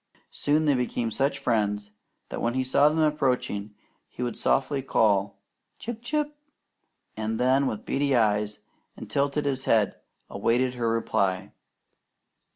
Soon they became such friends that when he saw them approaching he would call softly "Chip! Chip!" and then with beady eyes and tilted head await her reply.